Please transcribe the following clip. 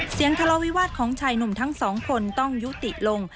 ทะเลาวิวาสของชายหนุ่มทั้งสองคนต้องยุติลง